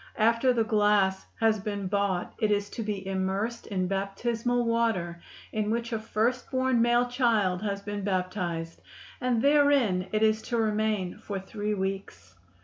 After the glass has been bought it is to be immersed in baptismal water in which a first born male child has been baptized, and therein it is to remain for three weeks.